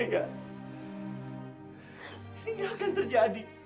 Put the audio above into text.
ini gak akan terjadi